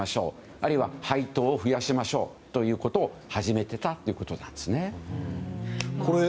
あるいは、配当を増やしましょうということを始めてたということですね。